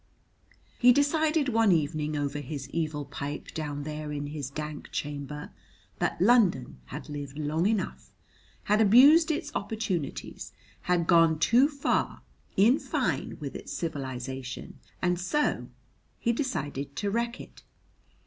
He decided one evening over his evil pipe, down there in his dank chamber, that London had lived long enough, had abused its opportunities, had gone too far, in fine, with its civilisation. And so he decided to wreck it.